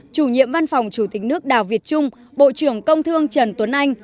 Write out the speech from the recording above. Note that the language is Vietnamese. chủ nhiệm văn phòng chủ tịch nước đào việt trung bộ trưởng công thương trần tuấn anh